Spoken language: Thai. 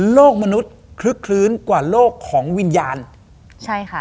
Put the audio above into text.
โลกมนุษย์คลึกคลื้นกว่าโลกของวิญญาณใช่ค่ะ